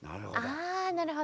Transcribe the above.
なるほど。